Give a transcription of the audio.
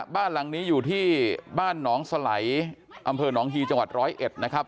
บ้านหลังนี้อยู่ที่บ้านหนองสไหลอำเภอหนองฮีจังหวัดร้อยเอ็ดนะครับ